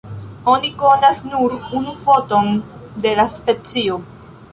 Oni konas nur unu foton de la specio.